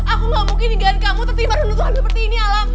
aku gak mungkin tinggalkan kamu terima tentukan seperti ini alam